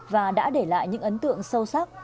và đã để lại những ấn tượng sâu sắc